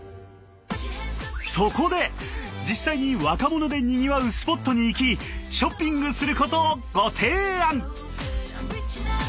実際に若者でにぎわうスポットに行きショッピングすることをご提案！